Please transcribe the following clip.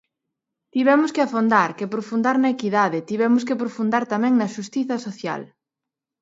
Tivemos que afondar, que profundar na equidade, tivemos que profundar tamén na xustiza social.